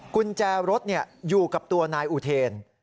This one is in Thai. กุญแจรถอยู่กับตัวนายอุเทน